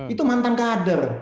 itu mantan kader